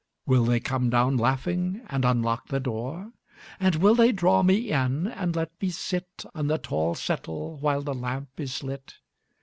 Will they come down laughing and unlock the door? And will they draw me in, and let me sit On the tall settle while the lamp is lit?